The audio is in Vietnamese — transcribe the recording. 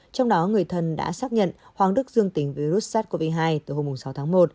trong đó người thân đã xác nhận hoàng đức dương tính với virus sars cov hai từ hôm sáu tháng một